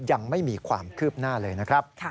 ยังไม่มีความคืบหน้าเลยนะครับ